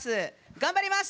頑張ります！